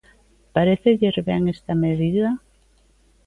¿Parécelles ben esta medida?